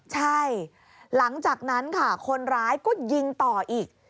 ใช่หลังจากนั้นค่ะคนร้ายก็ยิงต่ออีก